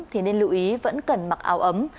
thì nên lưu ý vẫn cần mặc áo ấm